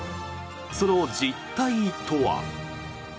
その実態とは。